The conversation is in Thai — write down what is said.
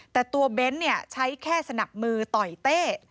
แต่ตัวเบ้นใช้แค่สนับมือต่อยเต้